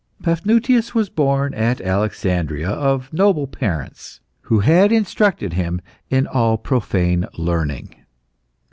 Paphnutius was born at Alexandria of noble parents, who had instructed him in all profane learning.